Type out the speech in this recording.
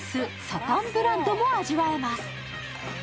サタンブラッドも味わえます。